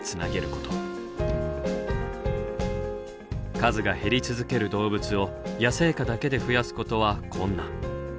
数が減り続ける動物を野生下だけで増やすことは困難。